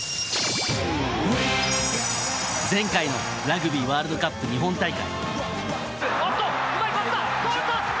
前回のラグビーワールドカップ日本大会。